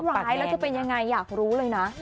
เล่นไว้แล้วก็เป็นอย่างไรอยากรู้เลยนะ